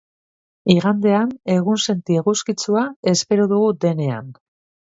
Igandean egunsenti eguzkitsua espero dugu denean.